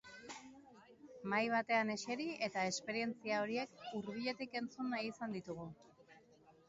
Mahai batean eseri eta esperientzia horiek hurbiletik entzun nahi izan ditugu.